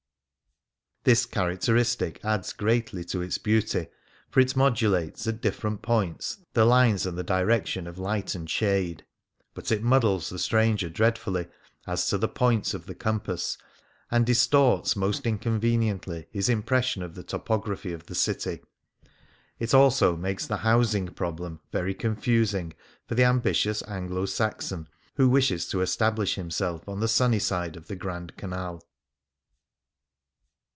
'" This characteristic adds greatly to its beauty, for it modulates at different points the lines and the direction of light and shade ; but it muddles the stranger dreadfully as to the points of the compass, and distorts most incon veniently his impression of the topography of the city. It also makes the " housing problem '' very confusing for the ambitious Anglo Saxon who wishes to establish himself on the sunny side of the Grand Canal.